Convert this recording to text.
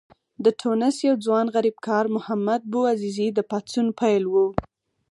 د ټونس یو ځوان غریبکار محمد بوعزیزي د پاڅون پیل و.